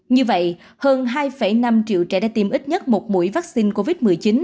như vậy hơn hai năm triệu trẻ đã tiêm ít nhất một mũi vaccine covid một mươi chín